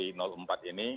dan instruksi mendagri empat